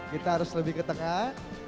kita harus lebih ke tengah